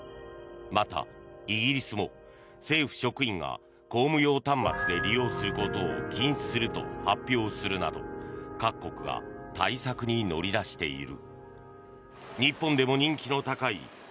また、イギリスも政府職員が公務用端末で利用することを禁止すると発表するなど各国が対策に乗り出している。